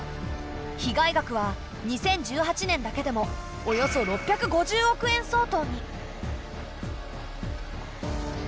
被害額は２０１８年だけでもおよそ６５０億円相当に。